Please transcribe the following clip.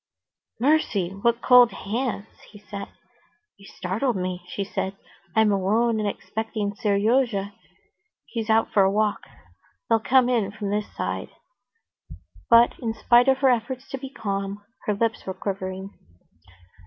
"Mercy! what cold hands!" he said. "You startled me," she said. "I'm alone, and expecting Seryozha; he's out for a walk; they'll come in from this side." But, in spite of her efforts to be calm, her lips were quivering.